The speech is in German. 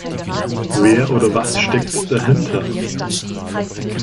Wer oder was steckt dahinter?